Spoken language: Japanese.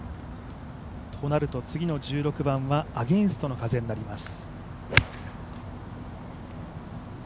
となると次の１６番はアゲンストの風となります。